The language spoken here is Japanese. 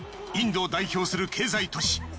インドを代表する経済都市。